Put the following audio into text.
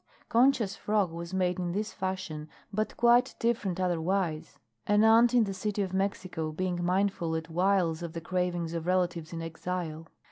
Concha's frock was made in this fashion, but quite different otherwise; an aunt in the City of Mexico being mindful at whiles of the cravings of relatives in exile.